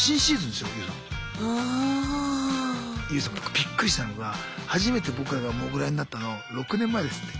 ＹＯＵさん僕びっくりしたのが初めて僕らがモグラになったの６年前ですね。